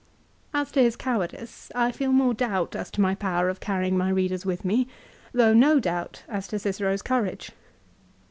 As to his cowardice I feel more doubt as to my power of carrying my readers with me, though no doubt as to Cicero's courage.